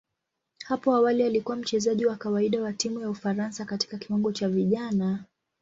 Hapo awali alikuwa mchezaji wa kawaida wa timu ya Ufaransa katika kiwango cha vijana.